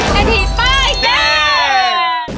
เศรษฐีป้ายแดง